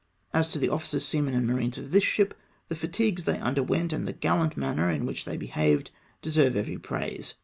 As to the officers, seamen, and marines of this ship, the fatigues they underwent, and the gallant manner in which they behaved, deserve every j)raise.